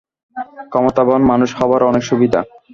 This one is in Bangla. ক্ষমতাবান মানুষ হবার অনেক সুবিধা।